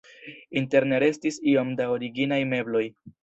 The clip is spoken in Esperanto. Interne restis iom da originaj mebloj.